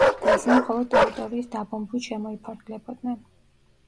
და ისინი მხოლოდ ტერიტორიის დაბომბვით შემოიფარგლებოდნენ.